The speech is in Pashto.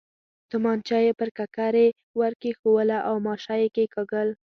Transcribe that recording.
تومانچه یې پر ککرۍ ور کېښووله او ماشه یې کېکاږل.